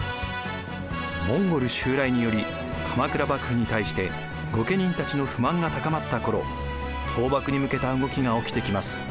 モンゴル襲来により鎌倉幕府に対して御家人たちの不満が高まった頃倒幕に向けた動きが起きてきます。